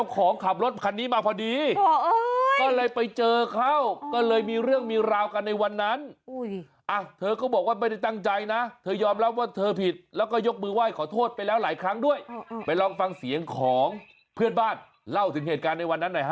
ของขับรถคันนี้มาพอดีก็เลยไปเจอเขาก็เลยมีเรื่องมีราวกันในวันนั้นเธอก็บอกว่าไม่ได้ตั้งใจนะเธอยอมรับว่าเธอผิดแล้วก็ยกมือไหว้ขอโทษไปแล้วหลายครั้งด้วยไปลองฟังเสียงของเพื่อนบ้านเล่าถึงเหตุการณ์ในวันนั้นหน่อยฮะ